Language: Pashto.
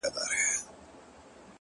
كوټه ښېراوي هر ماښام كومه؛